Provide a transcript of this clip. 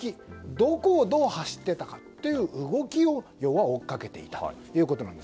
どこをどう走ってたかという動きを追っかけていたということです。